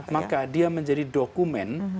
maka dia menjadi dokumen